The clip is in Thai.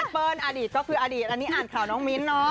เปิ้ลอดีตก็คืออดีตอันนี้อ่านข่าวน้องมิ้นเนอะ